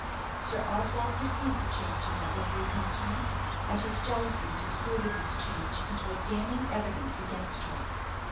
Sir Oswald perceived the change in that lovely countenance, and his jealousy distorted this change into a damning evidence against her.